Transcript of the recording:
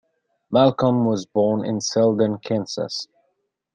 Malcolm was born in Selden, Kansas.